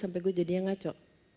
sampai gue jadinya ngaco